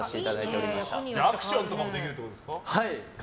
アクションとかもできる感じですか？